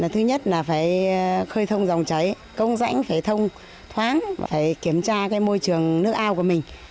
thứ nhất là phải khơi thông dòng cháy công rãnh phải thông thoáng phải kiểm tra môi trường nước ao của mình